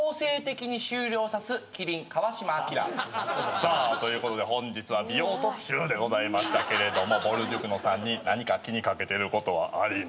さあということで本日は美容特集でございましたけれどぼる塾の３人何か気に掛けてることはありますか？